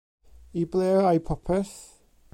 I ble'r ai popeth?